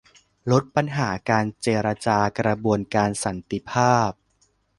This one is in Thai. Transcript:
ลดปัญหาการเจรจากระบวนการสันติภาพ